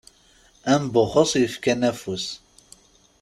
Am Buxus yefkan afus.